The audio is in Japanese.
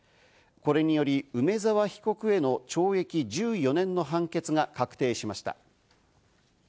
これにより梅沢被告への懲役１４年の判決が確定しました。